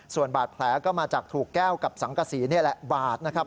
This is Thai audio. ส่วนบาดแผลก็มาจากถูกแก้วกับสังกษีนี่แหละบาดนะครับ